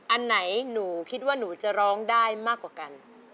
อันไหนหนูคิดว่าหนูจะร้องได้มากกว่ากัน